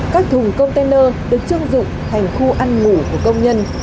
các thùng container được trưng dựng thành khu ăn ngủ của công nhân